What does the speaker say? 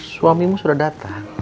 suamimu sudah datang